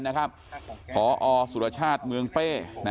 พอสุรชาติเมืองเป้